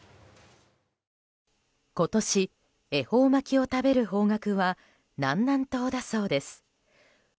今年、恵方巻きを食べる方角は南南東だそうです。